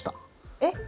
えっ？